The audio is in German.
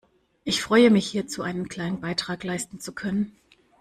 Ich freue mich, hierzu einen kleinen Beitrag leisten zu können.